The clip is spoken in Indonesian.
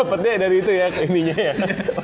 oh dapetnya dari itu ya ke ininya ya